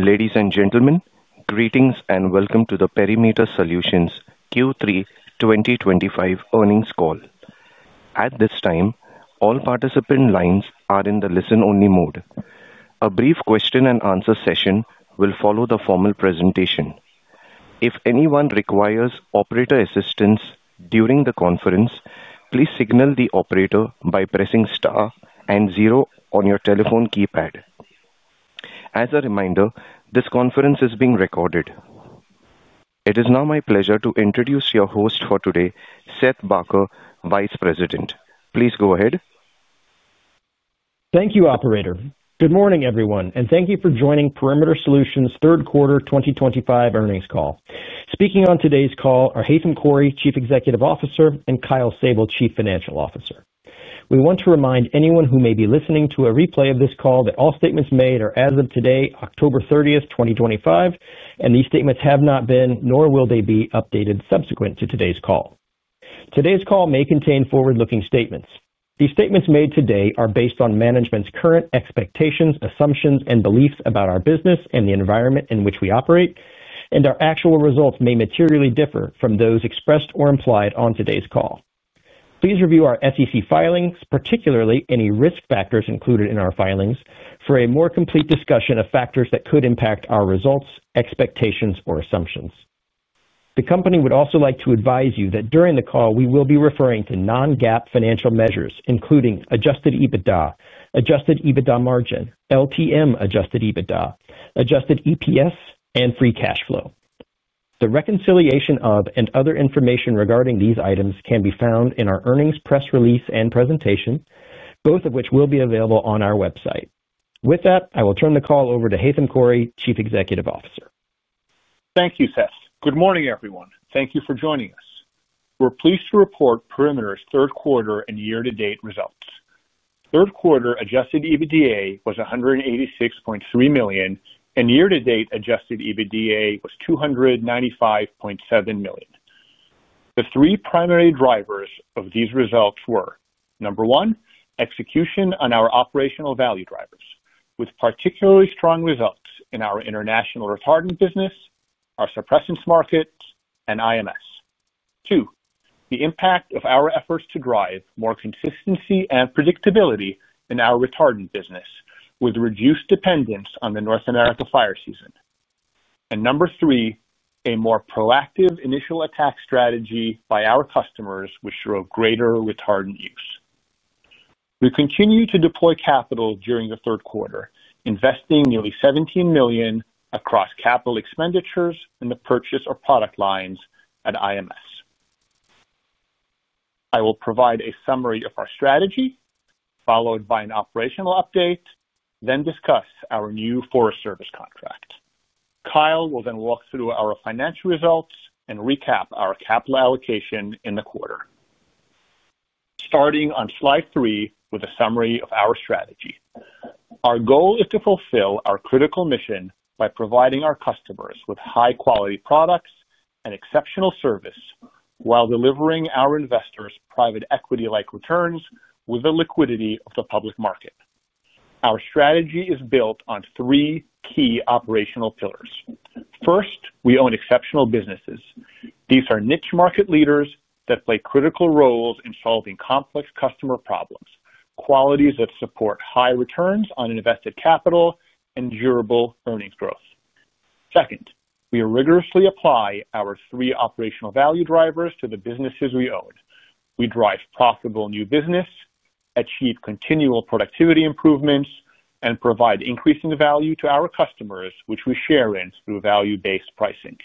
Ladies and gentlemen, greetings and welcome to the Perimeter Solutions Q3 2025 earnings call. At this time, all participant lines are in the listen-only mode. A brief question and answer session will follow the formal presentation. If anyone requires operator assistance during the conference, please signal the operator by pressing star and zero on your telephone keypad. As a reminder, this conference is being recorded. It is now my pleasure to introduce your host for today, Seth Barker, Vice President. Please go ahead. Thank you, operator. Good morning everyone and thank you for joining Perimeter Solutions third quarter 2025 earnings call. Speaking on today's call are Haitham Khouri, Chief Executive Officer, and Kyle Sable, Chief Financial Officer. We want to remind anyone who may be listening to a replay of this call that all statements made are as of today, October 30, 2025, and these statements have not been nor will they be updated subsequent to today's call. Today's call may contain forward-looking statements. These statements made today are based on management's current expectations, assumptions, and beliefs about our business and the environment in which we operate, and our actual results may materially differ from those expressed or implied on today's call. Please review our SEC filings, particularly any risk factors included in our filings, for a more complete discussion of factors that could impact our results, expectations, or assumptions. The company would also like to advise you that during the call we will be referring to non-GAAP financial measures including Adjusted EBITDA, Adjusted EBITDA margin, LTM Adjusted EBITDA, Adjusted EPS, and Free Cash Flow. The reconciliation of and other information regarding these items can be found in our earnings press release and presentation, both of which will be available on our website. With that, I will turn the call over to Haitham Khouri, Chief Executive Officer. Thank you, Seth. Good morning, everyone. Thank you for joining us. We're pleased to report Perimeter's third quarter and year-to-date results. Third quarter Adjusted EBITDA was $186.3 million, and year-to-date Adjusted EBITDA was $295.7 million. The three primary drivers of these results were, number one, execution on our operational value drivers with particularly strong results in our international retardant business, our suppressants market, and IMS. Two, the impact of our efforts to drive more consistency and predictability in our retardant business with reduced dependence on the North America fire season, and number three, a more proactive initial attack strategy by our customers which drove greater retardant use. We continue to deploy capital during the third quarter, investing nearly $17 million across capital expenditures and the purchase of product lines at IMS. I will provide a summary of our strategy, followed by an operational update, then discuss our new Forest Service contract. Kyle will then walk through our financial results and recap our capital allocation in the quarter, starting on slide three with a summary of our strategy. Our goal is to fulfill our critical mission by providing our customers with high-quality products and exceptional service while delivering our investors private equity-like returns with the liquidity of the public market. Our strategy is built on three key operational pillars. First, we own exceptional businesses. These are niche market leaders that play critical roles in solving complex customer problems, qualities that support high returns on invested capital and durable earnings growth. Second, we rigorously apply our three operational value drivers to the businesses we own. We drive profitable new business, achieve continual productivity improvements, and provide increasing value to our customers which we share in through value-based pricing.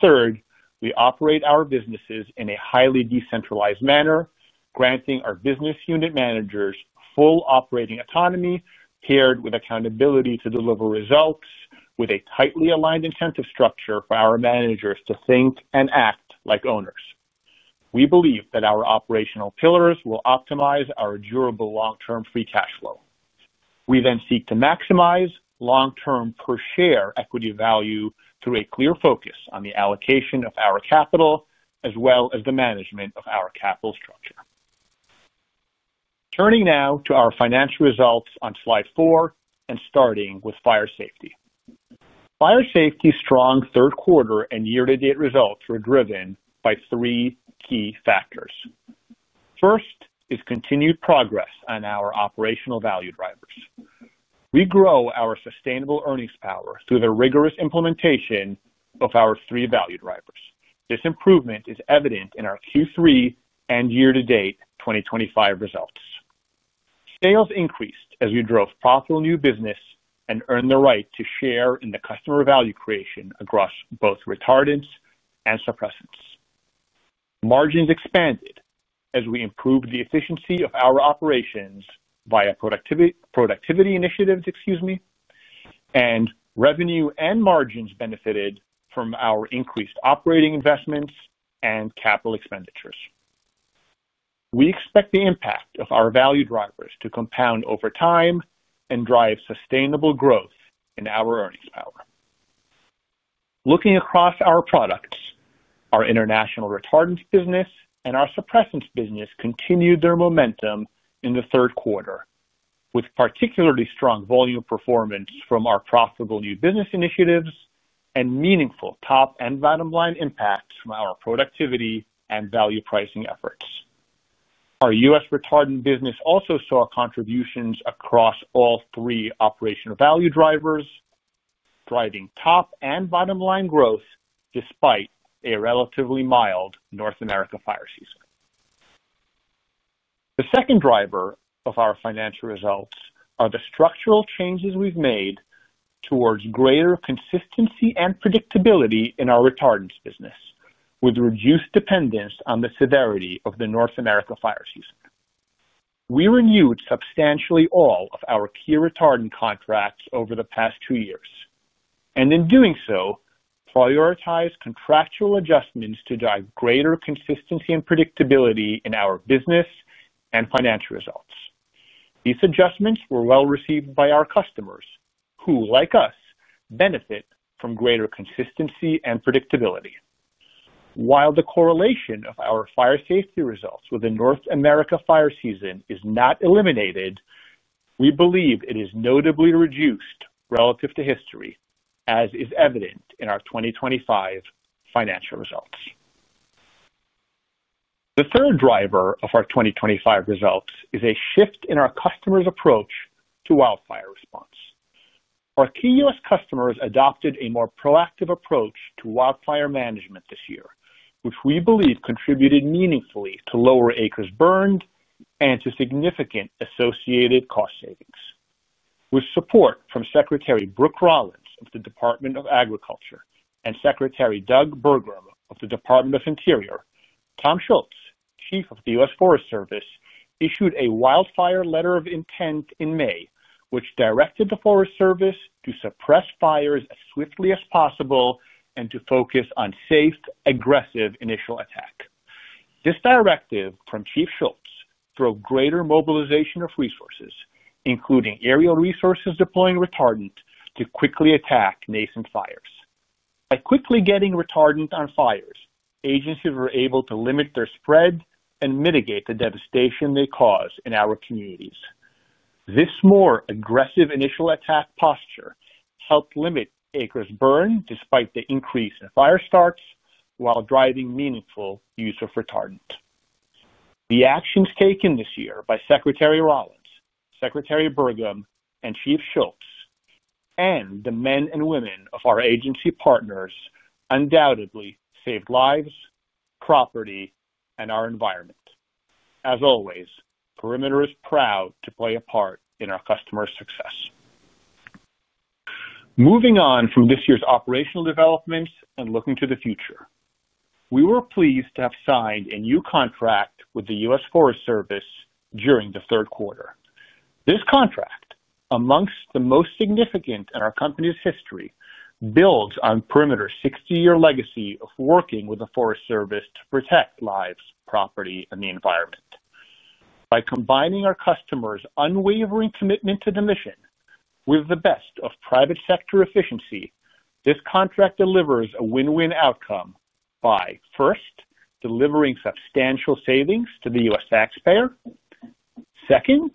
Third, we operate our businesses in a highly decentralized manner, granting our business unit managers full operating autonomy paired with accountability to deliver results. With a tightly aligned incentive structure for our managers to think and act like owners, we believe that our operational pillars will optimize our durable long-term free cash flow. We then seek to maximize long-term per share equity value through a clear focus on the allocation of our capital as well as the management of our capital structure. Turning now to our financial results on slide four and starting with Fire Safety. Fire Safety's strong third quarter and year to date results were driven by three key factors. First is continued progress on our operational value drivers. We grow our sustainable earnings power through the rigorous implementation of our three value drivers. This improvement is evident in our Q3 and year to date 2025 results. Sales increased as we drove profitable new business and earned the right to share in the customer value creation across both retardants and suppressants. Margins expanded as we improved the efficiency of our operations via productivity initiatives. Excuse me. Revenue and margins benefited from our increased operating investments and capital expenditures. We expect the impact of our value drivers to compound over time and drive sustainable growth in our earnings power. Looking across our products, our international retardants business and our suppressants business continued their momentum in the third quarter with particularly strong volume performance from our profitable new business initiatives and meaningful top and bottom line impact from our productivity and value pricing efforts. Our U.S. retardant business also saw contributions across all three operational value drivers driving top and bottom line growth despite a relatively mild North America fire season. The second driver of our financial results are the structural changes we've made towards greater consistency and predictability in our retardants business with reduced dependence on the severity of the North America fire season. We renewed substantially all of our key retardant contracts over the past two years and in doing so, prioritized contractual adjustments to drive greater consistency and predictability in our business and financial results. These adjustments were well-received by our customers who, like us, benefit from greater consistency and predictability. While the correlation of our Fire Safety results with the North America fire season is not eliminated, we believe it is notably reduced relative to history, as is evident in our 2025 financial results. The third driver of our 2025 results is a shift in our customers' approach to wildfire response. Our key U.S. customers adopted a more proactive approach to wildfire management this year, which we believe contributed meaningfully to lower acres burned and to significant associated cost savings. With support from Secretary Brooke Rollins of the Department of Agriculture and Secretary Doug Burgum of the Department of the Interior, Tom Schultz, Chief of the U.S. Forest Service, issued a wildfire Letter of Intent in May which directed the Forest Service to suppress fires as swiftly as possible and to focus on safe, aggressive initial attack. This directive from Chief Schultz called for a greater mobilization of resources, including aerial resources deploying retardant to quickly attack nascent fires. By quickly getting retardant on fires, agencies were able to limit their spread and mitigate the devastation they cause in our communities. This more aggressive initial attack posture helped limit acres burned despite the increase in fire starts while driving meaningful use of retardant. The actions taken this year by Secretary Rollins, Secretary Burgum, Chief Schultz, and the men and women of our agency partners undoubtedly saved lives, property, and our environment. As always, Perimeter is proud to play a part in our customer success. Moving on from this year's operational developments and looking to the future, we were pleased to have signed a new contract with the U.S. Forest Service during the third quarter. This contract, among the most significant in our company's history, builds on Perimeter's 60-year legacy of working with the Forest Service to protect lives, property, and the environment by combining our customers' unwavering commitment to the mission with the best of private sector efficiency. This contract delivers a win-win outcome by first, delivering substantial savings to the U.S. taxpayer, second,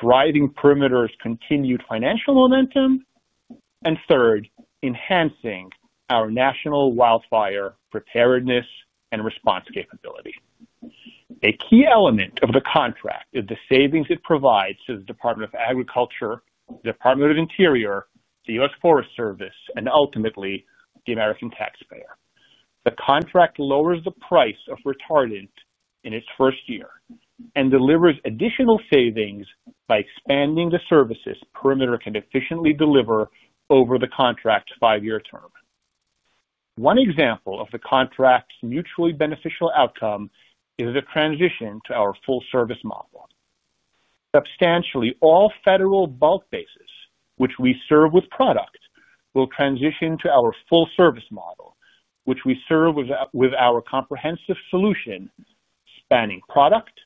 driving Perimeter Solutions' continued financial momentum, and third, enhancing our national wildfire preparedness and response capability. A key element of the contract is the savings it provides to the Department of Agriculture, the Department of the Interior, the U.S. Forest Service, and ultimately the American taxpayer. The contract lowers the price of retardant in its first year and delivers additional savings by expanding the services Perimeter can efficiently deliver over the contract's five-year term. One example of the contract's mutually beneficial outcome is the transition to our full service model. Substantially all federal bulk bases which we serve with product will transition to our full service model, which we serve with our comprehensive solution spanning product,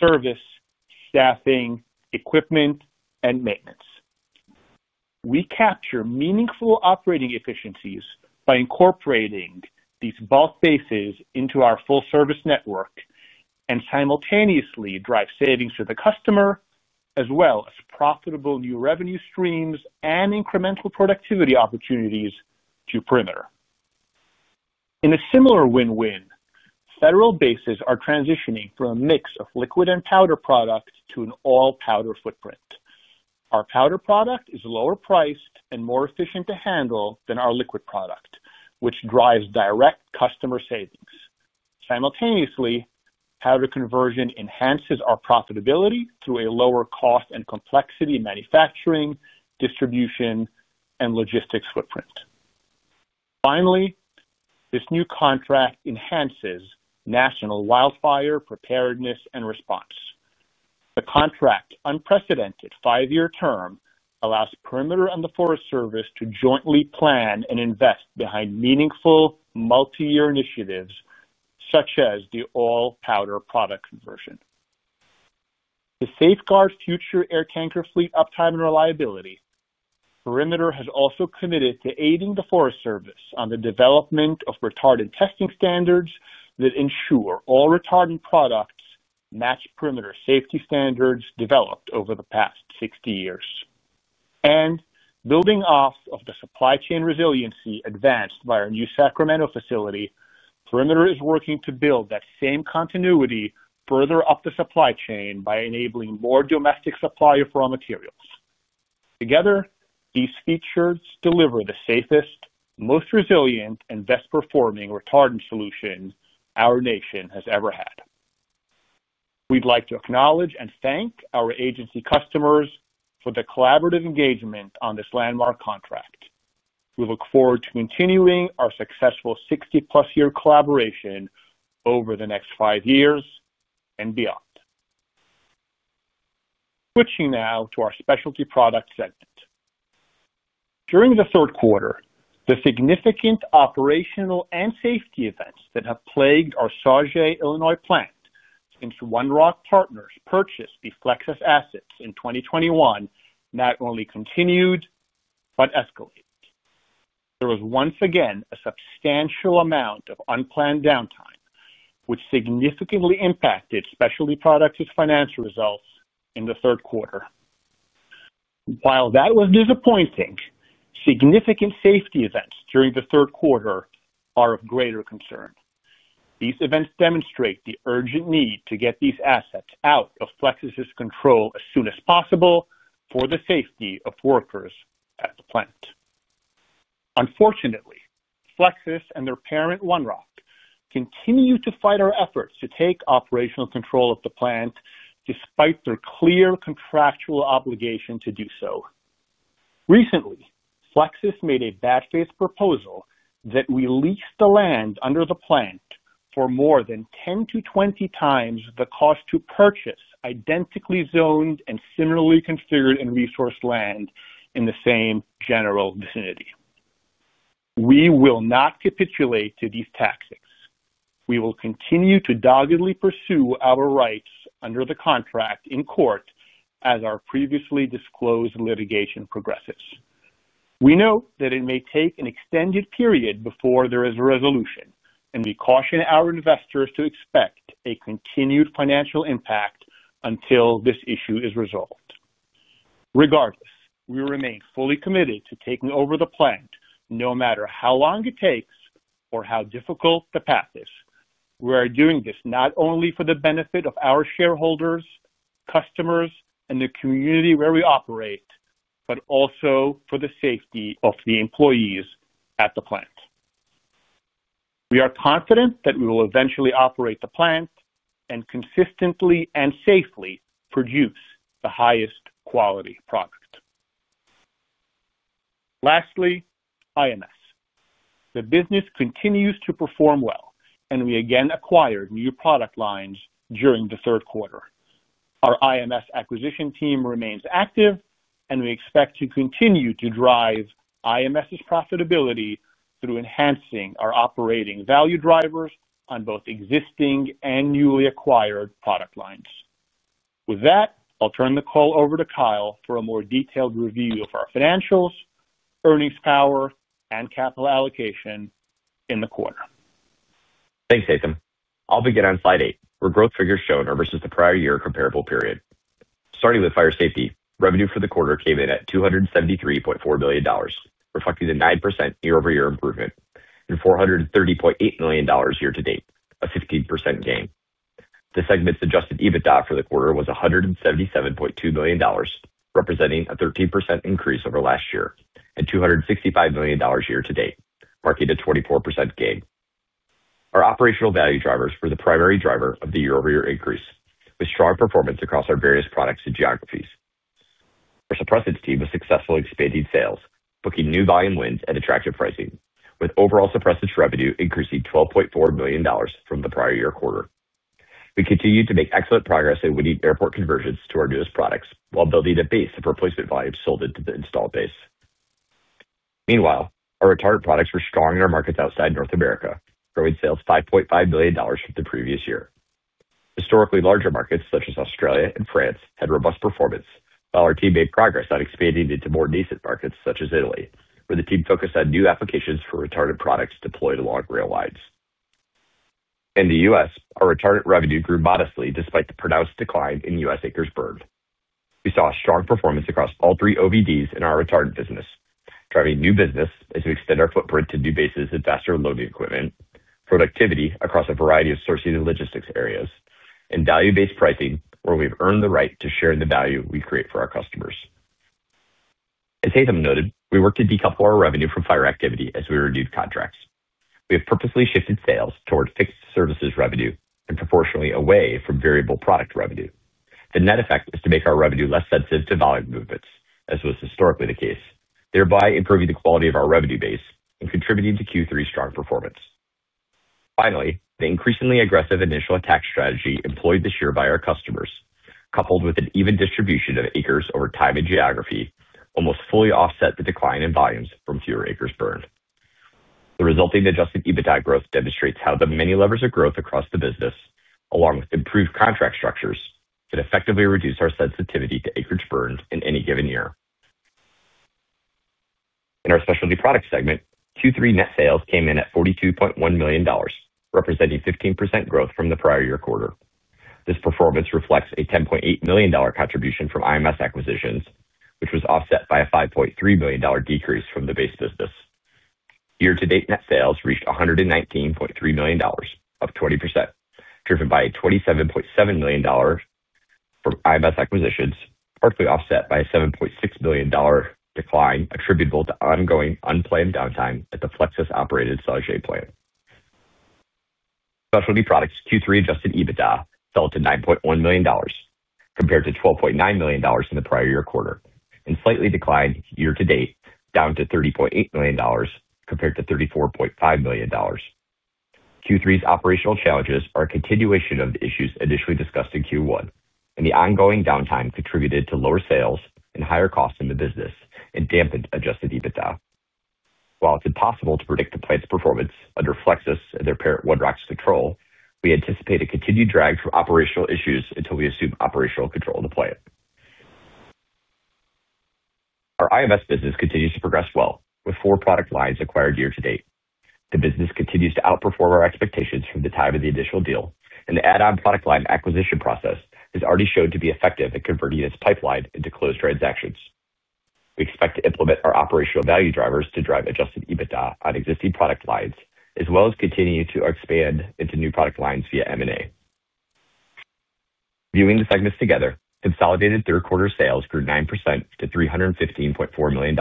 service, staffing, equipment, and maintenance. We capture meaningful operating efficiencies by incorporating these bulk bases into our full-service network and simultaneously drive savings for the customer as well as profitable new revenue streams and incremental productivity opportunities to Perimeter. In a similar win-win, federal bases are transitioning from a mix of liquid and powder product to an all-powder footprint. Our powder product is lower priced and more efficient to handle than our liquid product, which drives direct customer savings. Simultaneously, powder conversion enhances our profitability through a lower cost and complexity manufacturing, distribution, and logistics footprint. Finally, this new contract enhances national wildfire preparedness and response. The contract's unprecedented five-year term allows Perimeter and the Forest Service to jointly plan and invest behind meaningful multi-year initiatives such as the all-powder product conversion to safeguard future air tanker fleet uptime and reliability. Perimeter has also committed to aiding the Forest Service on the development of retardant testing standards that ensure all retardant products match Perimeter safety standards developed over the past 60 years. Building off of the supply chain resiliency advanced by our new Sacramento facility, Perimeter is working to build that same continuity further up the supply chain by enabling more domestic supply of raw materials. Together, these features deliver the safest, most resilient, and best performing retardant solution our nation has ever had. We'd like to acknowledge and thank our agency customers for the collaborative engagement on this landmark contract. We look forward to continuing our successful 60+ year collaboration over the next five years and beyond. Switching now to our Specialty Products segment. During the third quarter, the significant operational and safety events that have plagued our Sauget, Illinois plant since One Rock Partners purchased the Flexsys assets in 2021 not only continued but escalated. There was once again a substantial amount of unplanned downtime, which significantly impacted Specialty Products' financial results in the third quarter. While that was disappointing, significant safety events during the third quarter are of greater concern. These events demonstrate the urgent need to get these assets out of Flexsys control as soon as possible for the safety of workers at the plant. Unfortunately, Flexsys and their parent One Rock continue to fight our efforts to take operational control of the plant despite their clear contractual obligation to do so. Recently, Flexsys made a bad faith proposal that we lease the land under the plant for more than 10x-20x the cost to purchase identically zoned and similarly configured and resourced land in the same general vicinity. We will not capitulate to these tactics. We will continue to doggedly pursue our rights under the contract in court as our previously disclosed litigation progresses. We know that it may take an extended period before there is a resolution, and we caution our investors to expect a continued financial impact until this issue is resolved. Regardless, we remain fully committed to taking over the plant, no matter how long it takes or how difficult the path is. We are doing this not only for the benefit of our shareholders and customers and the community where we operate, but also for the safety of the employees at the plant. We are confident that we will eventually operate the plant and consistently and safely produce the highest quality product. Lastly, IMS, the business continues to perform well and we again acquired new product lines during the third quarter. Our IMS acquisition team remains active and we expect to continue to drive IMS' profitability through enhancing our operating value drivers on both existing and newly acquired product lines. With that, I'll turn the call over to Kyle for a more detailed review of our financials, earnings, power, and capital allocation in the quarter. Thanks, Haitham. I'll begin on slide eight where growth figures are shown versus the prior year comparable period, starting with Fire Safety. Revenue for the quarter came in at $273.4 million, reflecting the 9% year-over-year improvement, and $430.8 million year to date, a 15% gain. The segment's Adjusted EBITDA for the quarter was $177.2 million, representing a 13% increase over last year, and $265 million year to date, marking a 24% gain. Our operational value drivers were the primary driver of the year-over-year increase, with strong performance across our various products and geographies. Our suppressants team was successful expanding sales, booking new volume wins at attractive pricing, with overall suppressants revenue increasing $12.4 million from the prior year quarter. We continue to make excellent progress in windy airport conversions to our newest products while building a base of replacement volumes sold into the installed base. Meanwhile, our retardant products were strong in our markets outside North America, growing sales $5.5 million from the previous year. Historically, larger markets such as Australia and France had robust performance, while our team made progress on expanding into more nascent markets such as Italy, where the team focused on new applications for retardant products deployed along rail lines. In the U.S., our retardant revenue grew modestly despite the pronounced decline in U.S. acres burned. We saw a strong performance across all three OBDs in our retardant business, driving new business as we extend our footprint to new bases and faster loading, equipment productivity across a variety of sources and logistics areas, and value-based pricing where we've earned the right to share in the value we create for our customers. As Haitham noted, we worked to decouple our revenue from fire activity as we renewed contracts. We have purposely shifted sales toward fixed services revenue and proportionally away from variable product revenue. The net effect is to make our revenue less sensitive to volume movements as was historically the case, thereby improving the quality of our revenue base and contributing to Q3's strong performance. Finally, the increasingly aggressive initial attack strategy employed this year by our customers, coupled with an even distribution of acres over time and geography, almost fully offset the decline in volumes from fewer acres burned. The resulting adjusted EBITDA growth demonstrates how the many levers of growth across the business, along with improved contract structures, can effectively reduce our sensitivity to acreage burned in any given year. In our Specialty Products segment, Q3 net sales came in at $42.1 million, representing 15% growth from the prior year quarter. This performance reflects a $10.8 million contribution from IMS acquisitions, which was offset by a $5.3 million decrease from the base business. Year to date, net sales reached $119.3 million, up 20%, driven by $27.7 million from IMS acquisitions, partly offset by a $7.6 million decline attributable to ongoing unplanned downtime at the Flexsys-operated Sauget plant. Specialty Products Q3 Adjusted EBITDA fell to $9.1 million compared to $12.9 million in the prior year quarter and slightly declined year to date, down to $30.8 million compared to $34.5 million. Q3's operational challenges are a continuation of the issues initially discussed in Q1, and the ongoing downtime contributed to lower sales and higher costs in the business and dampened Adjusted EBITDA. While it's impossible to predict the plant's performance under Flexsys and their parent One Rock's control, we anticipate a continued drag from operational issues until we assume operational control deployment. Our IMS business continues to progress well with four product lines acquired year to date. The business continues to outperform our expectations from the time of the initial deal, and the add-on product line acquisition process has already shown to be effective at converting its pipeline into closed transactions. We expect to implement our operational value drivers to drive Adjusted EBITDA on existing product lines as well as continue to expand into new product lines via M&A. Viewing the segments together, consolidated third quarter sales grew 9% to $315.4 million,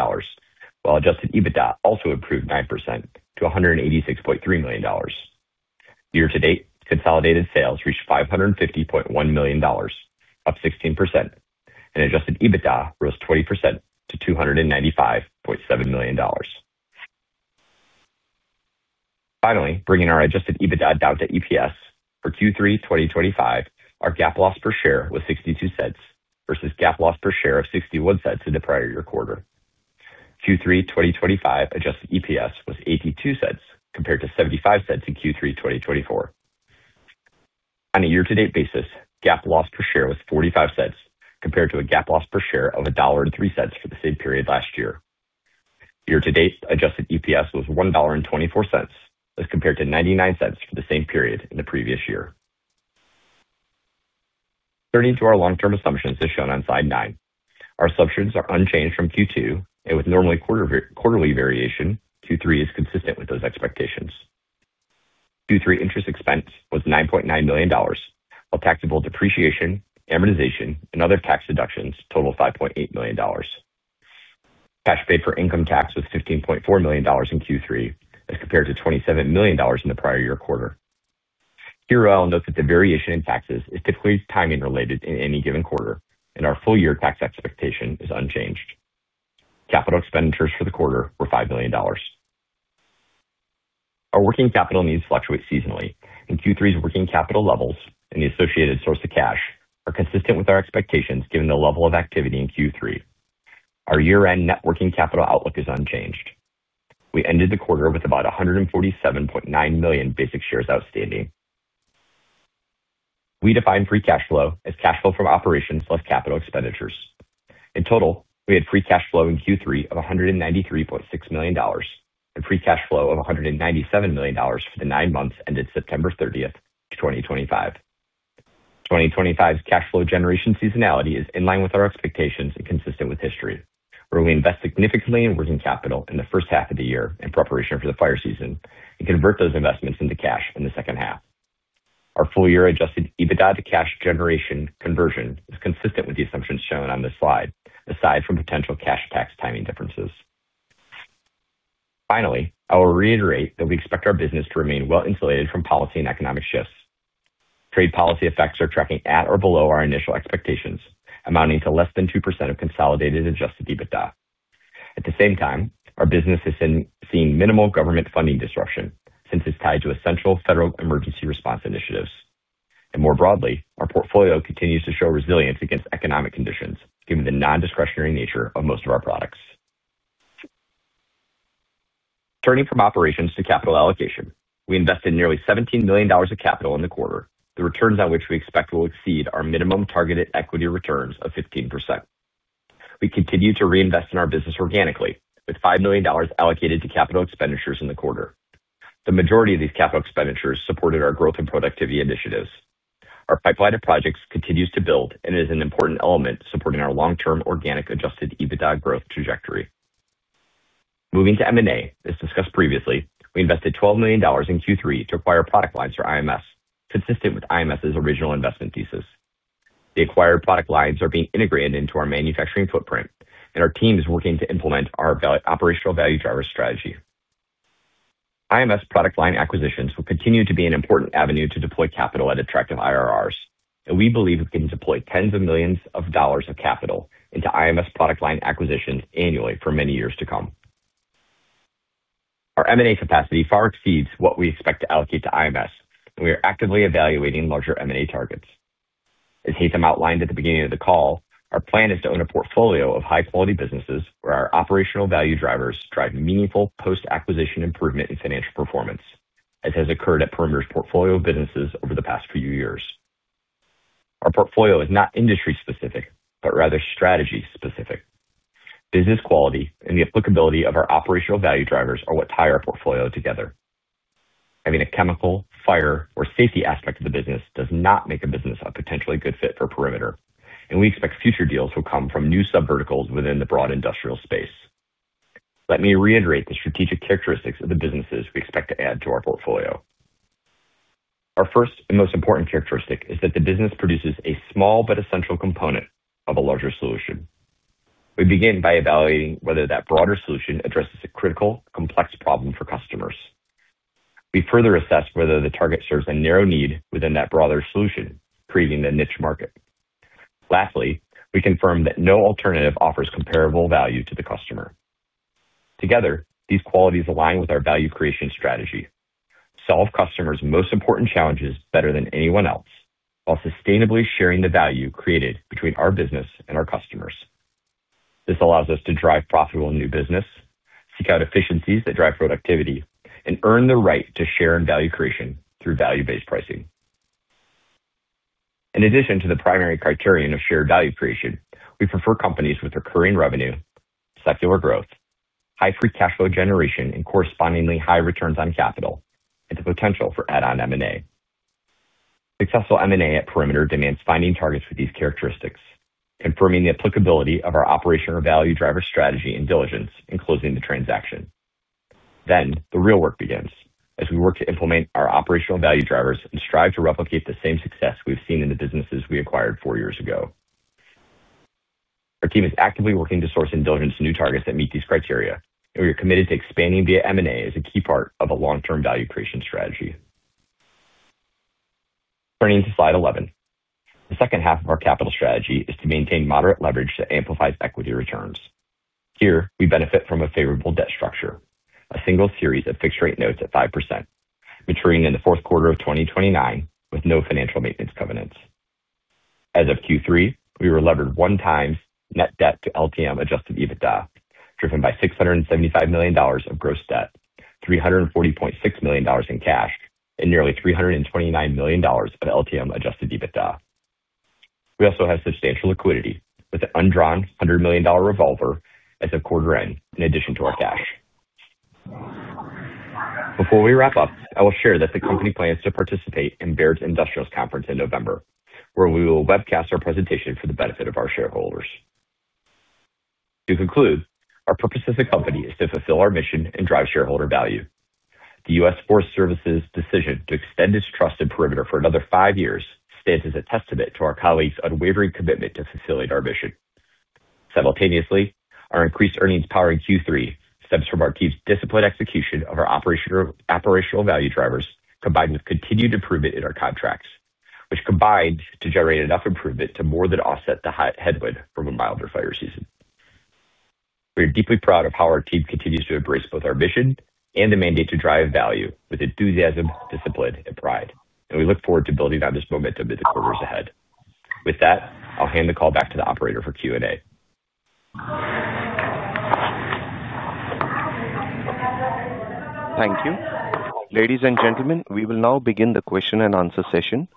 while Adjusted EBITDA also improved 9% to $186.3 million. Year to date, consolidated sales reached $550.1 million, up 16%, and Adjusted EBITDA rose 20% to $295.7 million, finally bringing our Adjusted EBITDA down to EPS. For Q3 2025, our GAAP loss per share was $0.62 versus GAAP loss per share of $0.61 in the prior year quarter. Q3 2025 adjusted EPS was $0.82 compared to $0.75 in Q3 2024. On a year to date basis, GAAP loss per share was $0.45 compared to a GAAP loss per share of $1.03 for the same period last year. Year to date, adjusted EPS was $1.24 as compared to $0.99 for the same period in the previous year. Turning to our long-term assumptions, as shown on slide nine, our assumptions are unchanged from Q2 and with normal quarterly variation. Q3 is consistent with those expectations. Q3 interest expense was $9.9 million while taxable depreciation, amortization, and other tax deductions totaled $5.8 million. Cash paid for income tax was $15.4 million in Q3 as compared to $27 million in the prior year quarter. Note that the variation in taxes is typically timing related in any given quarter and our full year tax expectation is unchanged. Capital expenditures for the quarter were $5 million. Our working capital needs fluctuate seasonally and Q3's working capital levels and the associated source of cash are consistent with our expectations given the level of activity in Q3. Our year end net working capital outlook is unchanged. We ended the quarter with about 147.9 million basic shares outstanding. We define free cash flow as cash flow from operations plus capital expenditures. In total, we had free cash flow in Q3 of $193.6 million and free cash flow of $197 million for the nine months ended September 30, 2025. 2025's cash flow generation seasonality is in line with our expectations and consistent with history, where we invest significantly in working capital in the first half of the year in preparation for the fire season and convert those investments into cash in the second half. Our full year Adjusted EBITDA to cash generation conversion is consistent with the assumptions shown on this slide aside from potential cash tax timing differences. Finally, I will reiterate that we expect our business to remain well-insulated from policy and economic shifts. Trade policy effects are tracking at or below our initial expectations, amounting to less than 2% of consolidated Adjusted EBITDA. At the same time, our business has seen minimal government funding disruption since it's tied to essential federal emergency response initiatives, and more broadly, our portfolio continues to show resilience against economic conditions given the non-discretionary nature of most of our products. Turning from operations to capital allocation, we invested nearly $17 million of capital in the quarter, the returns at which we expect will exceed our minimum targeted equity returns of 15%. We continue to reinvest in our business organically with $5 million allocated to capital expenditures in the quarter. The majority of these capital expenditures supported our growth and productivity initiatives. Our pipeline of projects continues to build and is an important element supporting our long-term organic Adjusted EBITDA growth trajectory. Moving to M&A, as discussed previously, we invested $12 million in Q3 to acquire product lines for IMS. Consistent with IMS' original investment thesis, the acquired product lines are being integrated into our manufacturing footprint and our team is working to implement our operational value driver strategy. IMS' product line acquisitions will continue to be an important avenue to deploy capital at attractive IRRs and we believe we can deploy tens of millions of dollars of capital into IMS product line acquisitions annually for many years to come. Our M&A capacity far exceeds what we expect to allocate to IMS and we are actively evaluating larger M&A targets. As Haitham outlined at the beginning of the call, our plan is to own a portfolio of high-quality businesses where our operational value drivers drive meaningful post-acquisition improvement in financial performance as has occurred at Perimeter's portfolio of businesses over the past few years. Our portfolio is not industry-specific but rather strategy-specific. Business quality and the applicability of our operational value drivers are what tie our portfolio together. Having a chemical, fire, or safety aspect of the business does not make a business a potentially good fit for Perimeter, and we expect future deals will come from new sub-verticals within the broad industrial space. Let me reiterate the strategic characteristics of the businesses we expect to add to our portfolio. Our first and most important characteristic is that the business produces a small but essential component of a larger solution. We begin by evaluating whether that broader solution addresses a critical, complex problem for customers. We further assess whether the target serves a narrow need within that broader solution, creating the niche market. Lastly, we confirm that no alternative offers comparable value to the customer. Together these qualities align with our value creation strategy: solve customers' most important challenges better than anyone else while sustainably sharing the value created between our business and our customers. This allows us to drive profitable new business, seek out efficiencies that drive productivity, and earn the right to share in value creation through value-based pricing. In addition to the primary criterion of shared value creation, we prefer companies with recurring revenue, secular growth, high free cash flow generation, and correspondingly high returns on capital and the potential for add-on M&A. Successful M&A at Perimeter demands finding targets with these characteristics, confirming the applicability of our operational value driver strategy, and diligence in closing the transaction. Then the real work begins as we work to implement our operational value drivers and strive to replicate the same success we've seen in the businesses we acquired four years ago. Our team is actively working to source and diligence new targets that meet these criteria, and we are committed to expanding via M&A as a key part of a long-term value creation strategy. Turning to slide 11, the second half of our capital strategy is to maintain moderate leverage that amplifies equity returns. Here we benefit from a favorable debt structure, a single series of fixed-rate notes at 5% maturing in the fourth quarter of 2029 with no financial maintenance covenants. As of Q3, we were levered 1x net debt to LTM Adjusted EBITDA, driven by $675 million of gross debt, $340.6 million in cash, and nearly $329 million of LTM Adjusted EBITDA. We also have substantial liquidity with an undrawn $100 million revolver as of quarter end in addition to our cash. Before we wrap up, I will share that the company plans to participate in Baird's Industrials Conference in November, where we will webcast our presentation for the benefit of our shareholders. To conclude, our purpose as a company is to fulfill our mission and drive shareholder value. The U.S. Forest Service's decision to extend its trusted Perimeter for another five years stands as a testament to our colleagues' unwavering commitment to fulfilling our mission. Simultaneously, our increased earnings power in Q3 stems from our team's disciplined execution of our operational value drivers combined with continued improvement in our contracts, which combined to generate enough improvement to more than offset the headwind from a milder fire season. We are deeply proud of how our team continues to embrace both our mission and the mandate to drive value with enthusiasm, discipline, and pride, and we look forward to building on this momentum in the quarters ahead. With that, I'll hand the call back to the operator for Q&A. Thank you. Ladies and gentlemen, we will now begin the question and answer session.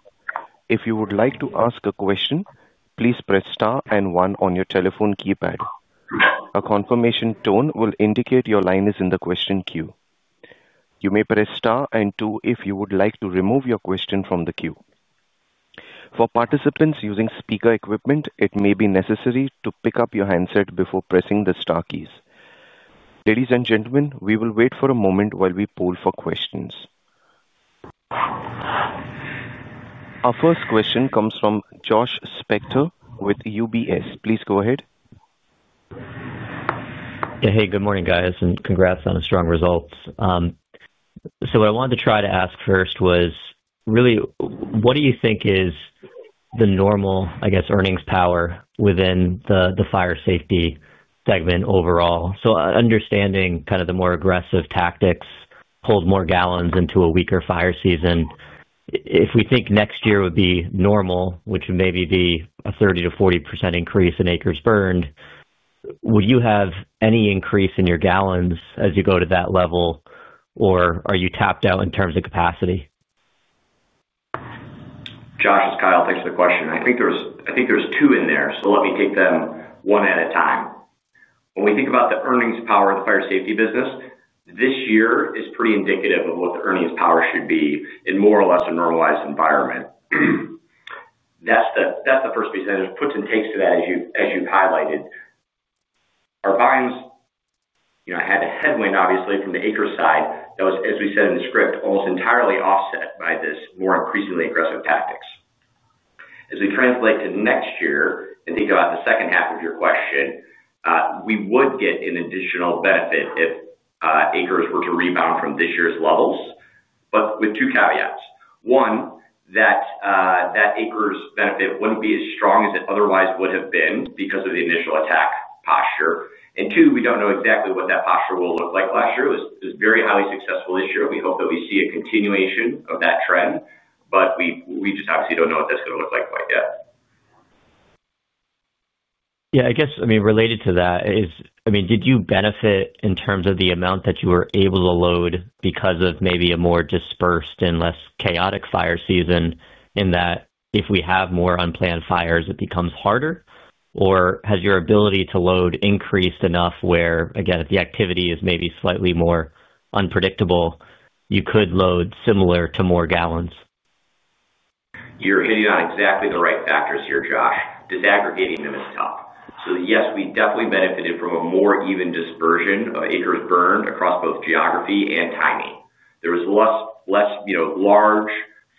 If you would like to ask a question, please press star and one on your telephone keypad. A confirmation tone will indicate your line is in the question queue. You may press star and two if you would like to remove your question from the queue. For participants using speaker equipment, it may be necessary to pick up your handset before pressing the star keys. Ladies and gentlemen, we will wait for a moment while we poll for questions. Our first question comes from Josh Spector with UBS. Please go ahead. Hey, good morning, guys, and congrats on a strong result. What I wanted to try to ask first was really, what do you think is the normal, I guess, earnings power within the Fire Safety segment overall? Understanding kind of the more aggressive tactics hold more gallons into a weaker fire season. If we think next year would be normal, which would maybe be a 30%-40% increase in acres burned, would you have any increase in your gallons as you go to that level, or are you tapped out in terms of capacity? Josh, it's Kyle. Thanks for the question. I think there's two in there, so let me take them one at a time. When we think about the earnings power of the Fire Safety business, this year is pretty indicative of what the earnings power should be in more or less a normalized environment. That's the first piece, and there's puts and takes to that as you've highlighted. Our volumes had a headwind obviously from the acre side that was, as we said in the script, almost entirely offset by this more increasingly aggressive tactics. As we translate to next year and think about the second half of your question, we would get an additional benefit if acres were to rebound from this year's levels, but with two caveats. One, that that acre's benefit wouldn't be as strong as it otherwise would have been because of the initial attack posture. Two, we don't know exactly what that posture will look like. Last year it was very highly successful. This year we hope that we see a continuation of that trend. Obviously don't know what that's going to look like quite yet. Yeah, I guess, I mean, related to that, did you benefit in terms of the amount that you were able to load because of maybe a more dispersed and less chaotic fire season? In that, if we have more unplanned fires, it becomes harder, or has your ability to load increased enough where, again, if the activity is maybe slightly more unpredictable, you could load similar to more gallons? Hitting on exactly the right factors here, Josh. Disaggregating them is tough. Yes, we definitely benefited from a more even dispersion of acres burned across both geography and timing. There was less large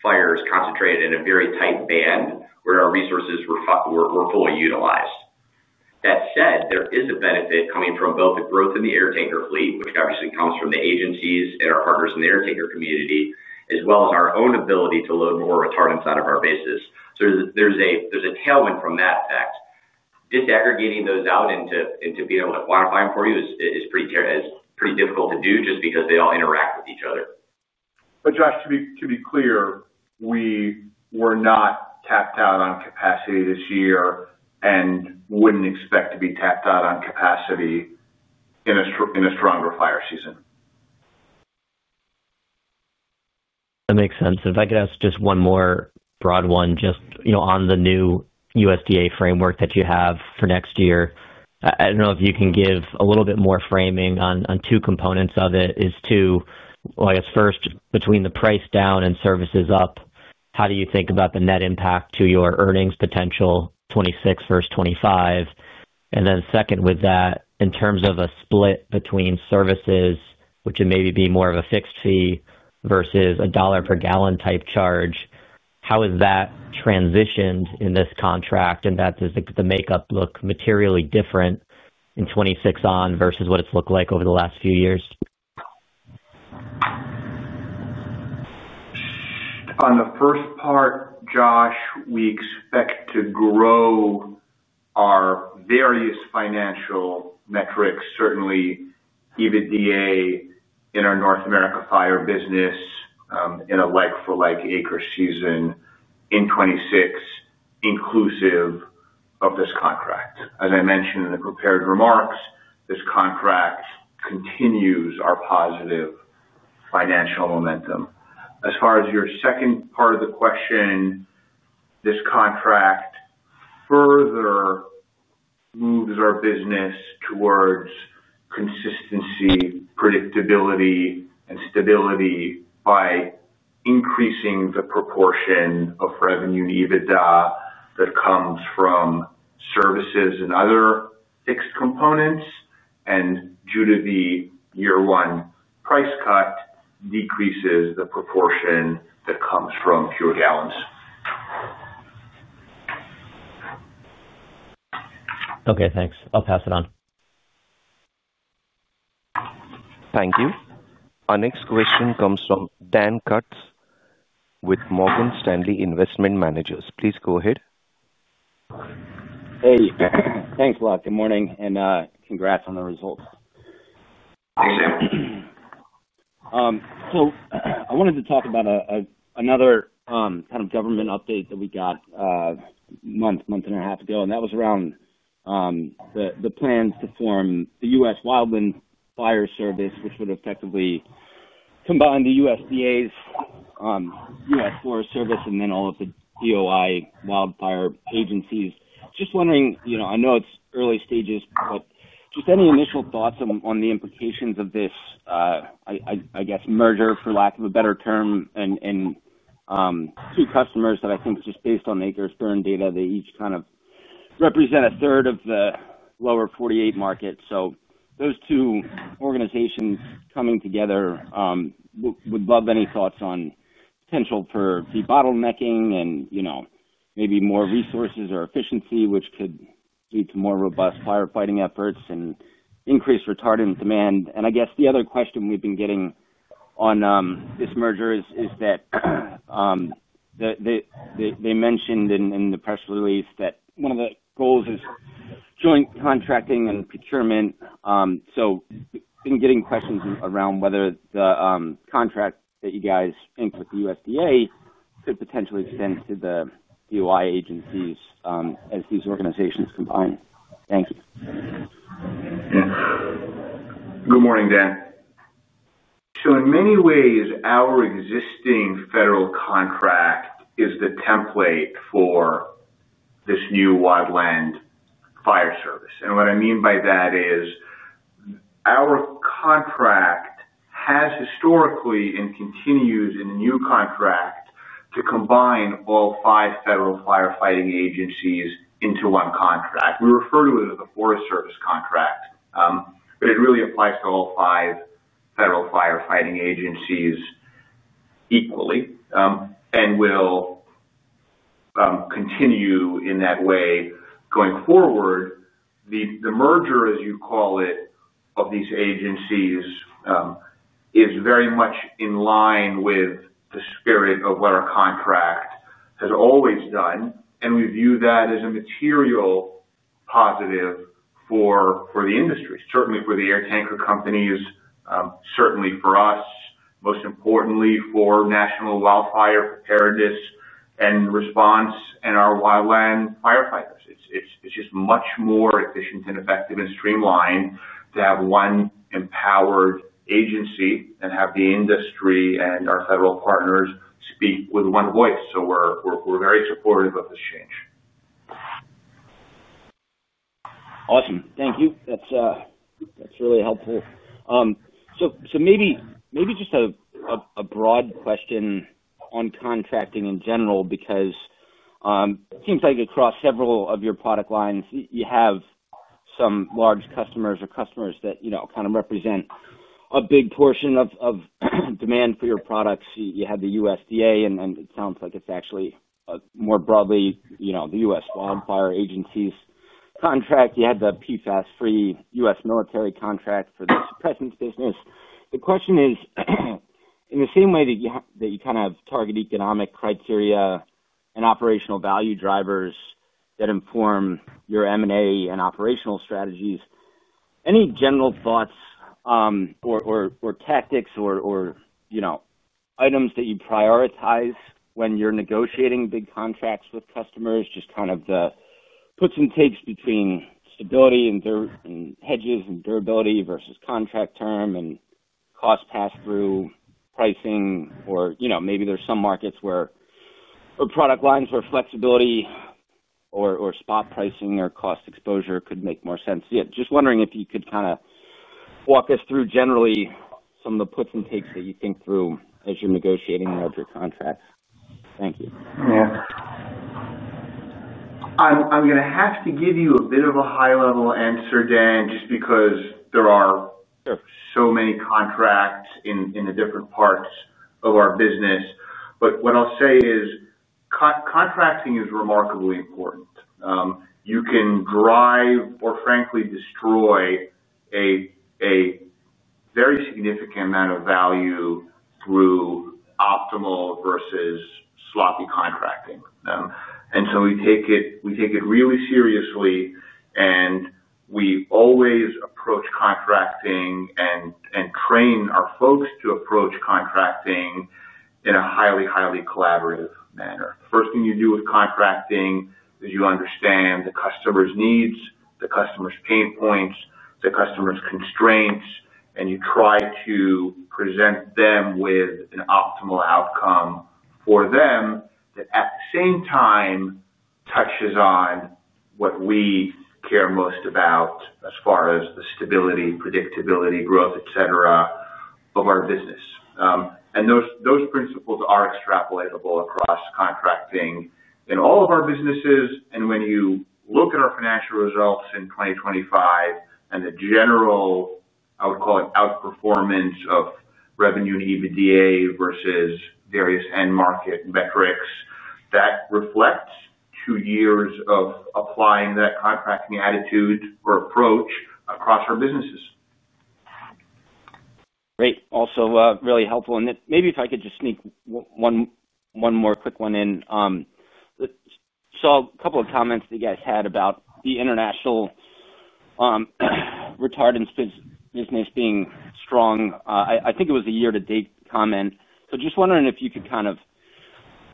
fires concentrated in a very tight band where our resources were fully utilized. That said, there is a benefit coming from both the growth in the air tanker fleet, which obviously comes from the agencies and our partners and the air tanker community, as well as our own ability to load more retardants out of our bases. There is a tailwind from that fact. Disaggregating those out into being able to quantify them for you is pretty difficult to do just because they all interact with each other. Josh, to be clear, we were not tapped out on capacity this year and wouldn't expect to be tapped out on capacity in a stronger fire season. That makes sense. If I could ask just one more broad one, just on the new USDA framework that you have for next year, I don't know if you can give a little bit more framing on two components of it. First, between the price down and services up, how do you think about the net impact to your earnings potential 2026 versus 2025? Second, with that in terms of a split between services, which would maybe be more of a fixed fee versus a dollar per gallon type charge, how has that transitioned in this contract? Does the makeup look materially different in 2026 on versus what it's looked like over the last few years? On the first part, Josh, we expect to grow our various financial metrics, certainly EBITDA in our North America fire business in a like for like acre season in 2026 inclusive of this contract. As I mentioned in the prepared remarks, this contract continues our positive financial momentum. As far as your second part of the question, this contract further moves our business towards consistency, predictability, and stability by increasing the proportion of revenue and EBITDA that comes from services and other fixed components, and due to the year one price cut, decreases the proportion that comes from pure gallons. Okay, thanks. I'll pass it on. Thank you. Our next question comes from Dan Kutz with Morgan Stanley Investment Management. Please go ahead. Hey, thanks a lot. Good morning, and congrats on the results. Thanks, Dan. I wanted to talk about another kind of government update that we got a month, month and a half ago. That was around the plans to form the U.S. Wildland Fire Service, which would effectively combine the USDA's U.S. Forest Service and then all of the DOI wildfire agencies. Just wondering, you know, I know it's early stages, but just any initial thoughts on the implications of this, I guess merger, for lack of a better term, and two customers that I think just based on acres burn data, they each kind of represent 1/3 of the Lower 48 market. Those two organizations coming together would love any thoughts on potential for debottlenecking and maybe more resources or efficiency, which could lead to more robust firefighting efforts and increased retardant demand. The other question we've been getting on this merger is that they mentioned in the press release that one of the goals is joint contracting and procurement. Been getting questions around whether the contract that you guys inked with the USDA could potentially extend to the DOI agencies as these organizations combine. Thank you. Good morning, Dan. In many ways, our existing federal contract is the template for this new new Wildland Fire Service. What I mean by that is our contract has historically and continues in a new contract to combine all five federal firefighting agencies into one contract. We refer to it as a Forest Service contract, but it really applies to all five federal firefighting agencies equally and will continue in that way going forward. The merger, as you call it, of these agencies is very much in line with the spirit of what our contract has always done. We view that as a material positive for the industry, certainly for the air tanker companies, certainly for us, and most importantly for national wildfire preparedness and response and our wildland firefighters. It's just much more efficient, effective, and streamlined to have one empowered agency and have the industry and our federal partners speak with one voice. We are very supportive of this change. Awesome. Thank you. That's really helpful. Maybe just a broad question on contracting in general, because it seems like across several of your product lines, you have some large customers or customers that kind of represent a big portion of demand for your products. You have the USDA, and it sounds like it's actually more broadly the U.S. wildfire agency's contract. You had the PFAS-free U.S. Military contract for the suppressants business. The question is, in the same way that you kind of target economic criteria and operational value drivers that inform your M&A and operational strategies, any general thoughts or tactics or, you know, items that you prioritize when you're negotiating big contracts with customers, just kind of the puts and takes between stability and hedges and durability versus contract term and cost pass-through pricing. Maybe there's some markets where, or product lines where flexibility or spot pricing or cost exposure could make more sense. Yeah. Just wondering if you could kind of walk us through generally some of the puts and takes that you think through as you're negotiating contract. Thank you. I'm going to have to give you a bit of a high-level answer, Dan, just because there are so many contracts in the different parts of our business. What I'll say is contracting is remarkably important. You can drive or frankly destroy a very significant amount of value through optimal versus sloppy contracting. We take it really seriously, and we always approach contracting and train our folks to approach contracting in a highly, highly collaborative manner. The first thing you do with contracting is you understand the customer's needs, the customer's pain points, the customer's constraints, and you try to present them with an optimal outcome for them. That at the same time touches on what we care most about as far as the stability, predictability, growth, etc. of our business. Those principles are extrapolatable across contracting in all of our businesses. When you look at our financial results in 2025 and the general, I would call it, outperformance of revenue and EBITDA versus various end market metrics, that reflects two years of applying that contracting attitude or approach across our businesses. Great. Also, really helpful, and maybe if I could just sneak one more quick one in. A couple of comments you guys had about the international retardants business being strong. I think it was a year to date comment, but just wondering if you could kind of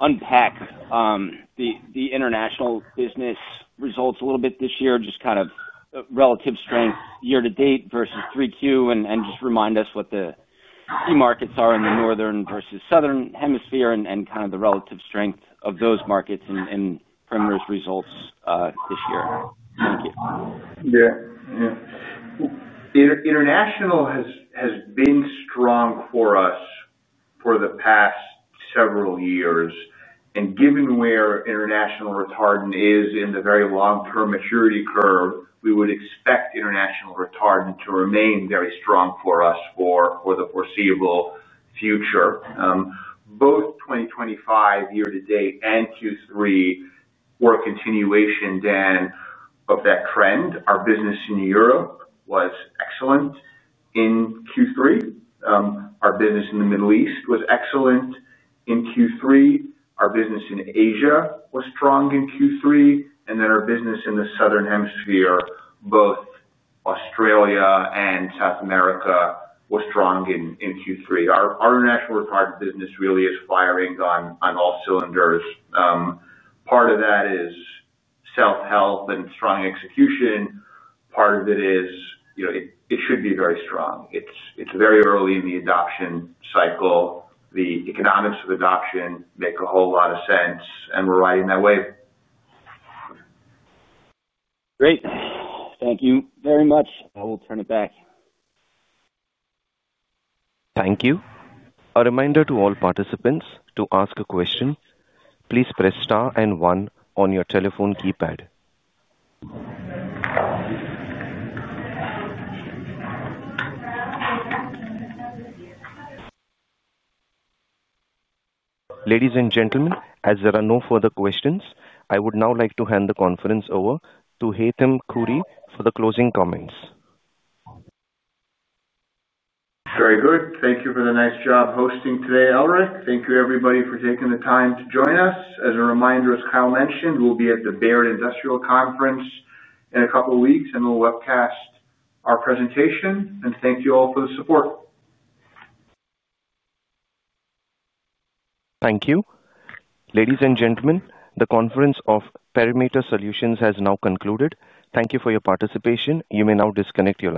unpack the international business results a little bit this year. Just kind of relative strength year to date versus 3Q, and just remind us what the key markets are in the Northern versus Southern Hemisphere, and kind of the relative strength of those markets and Perimeter's results this year. Thank you. Yeah, international has been strong for us for the past several years, and given where international retardant is in the very long-term maturity curve, we would expect international retardant to remain very strong for us for the foreseeable future. Both 2025 year to date and Q3 were a continuation, Dan, of that trend. Our business in Europe was excellent in Q3. Our business in the Middle East was excellent in Q3. Our business in Asia was strong in Q3. Our business in the Southern Hemisphere, both Australia and South America, was strong in Q3. Our international retardant business really is firing on all cylinders. Part of that is self-help and strong execution. Part of it is it should be very strong. It's very early in the adoption cycle. The economics of adoption make a whole lot of sense, and we're riding that wave. Great, thank you. Thank you very much. I will turn it back. Thank you. A reminder to all participants to ask a question, please press star and one on your telephone keypad. Ladies and gentlemen, as there are no further questions, I would now like to hand the conference over to Haitham Khouri for the closing comments. Very good. Thank you for the nice job hosting today, [Elrick]. Thank you everybody for taking the time to join us. As a reminder, as Kyle mentioned, we'll be at the Baird Industrial Conference in a couple of weeks, and we'll webcast our presentation. Thank you all for the support. Thank you. Ladies and gentlemen, the conference of Perimeter Solutions has now concluded. Thank you for your participation. You may now disconnect your lines.